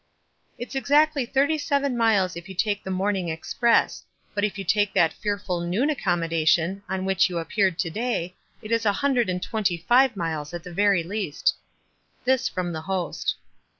"It's exactly thirty seven miles if you take the morning express ; but if you take that fear ful noon accommodation, on which you ap peared to day, it is a hundred and twenty five miles at the very least." This from the host.